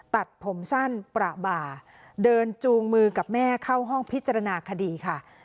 ตัดผมสั้นประบาเดินจูงมือกับแม่เข้าห้องพิจารณาคดีค่ะ